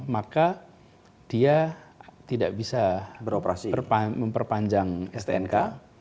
maka dia tidak bisa memperpanjang stnk